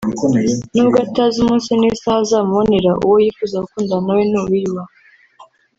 nubwo atazi umunsi n’isaha azamubonera uwo yifuza gukundana na we ni uwiyubaha